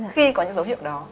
khi có những dấu hiệu đó